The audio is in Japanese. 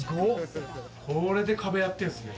これで壁やってるんですね。